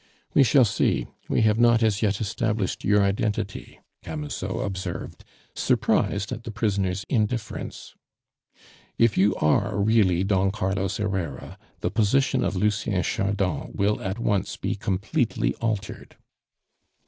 "We shall see. We have not as yet established your identity," Camusot observed, surprised at the prisoner's indifference. "If you are really Don Carlos Herrera, the position of Lucien Chardon will at once be completely altered."